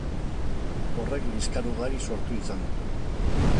Horrek liskar ugari sortu izan du.